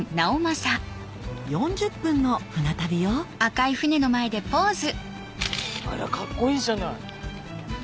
４０分の船旅よあらカッコいいじゃない。